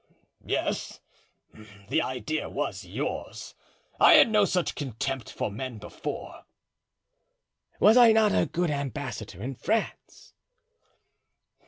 "Yes, the idea was yours. I had no such contempt for men before." "Was I not a good ambassador in France?"